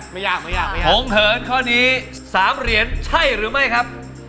ผมเหิญข้อนี้๓เหรียญใช่หรือไม่ครับ